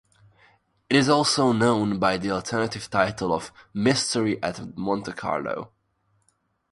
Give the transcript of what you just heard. It is also known by the alternative title of Mystery at Monte Carlo.